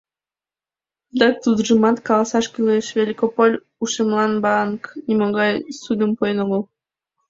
Адак тудыжымат каласаш кӱлеш: Великополь ушемлан банк нимогай ссудым пуэн огыл.